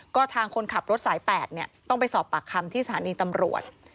ก็ทางคนขับรถสาย๘ต้องไปสอบปากคำที่สถานีตำรวจ